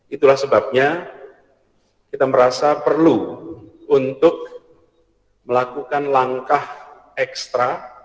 itulah sebabnya kita merasa perlu untuk melakukan langkah ekstra